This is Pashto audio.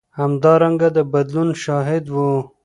همدارنګه د بدلون شاهد و.